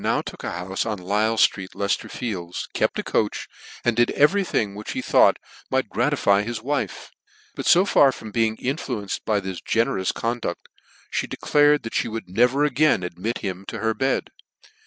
now took a houfe' in Lifle ftreet, Leicetter fifrlus* kcpr a coach, and did every thing which he thought might gratify his wife: bur 1 far from being influenced by this generous c nriuct, fhe declared that fhe would never a^ain admit hip.i to her be s d.